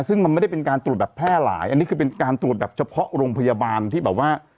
ซึ่งมันไม่ได้เป็นการตรวจแบบแพร่หลายอันนี้คือเป็นการตรวจแบบเฉพาะโรงพยาบาลที่แบบว่า